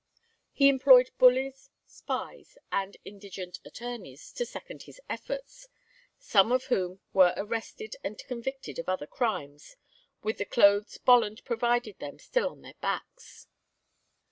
He employed bullies, spies, and indigent attorneys to second his efforts, some of whom were arrested and convicted of other crimes with the clothes Bolland provided them still on their backs.